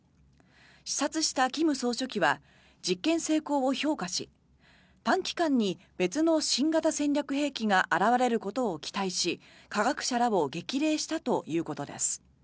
視察した金総書記は実験成功を評価し短期間に別の新型戦略兵器が現れることを期待し科学者らを激励したということです。